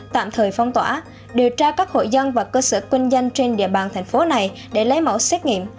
tạm thời phong tỏa điều tra các hội dân và cơ sở kinh doanh trên địa bàn thành phố này để lấy mẫu xét nghiệm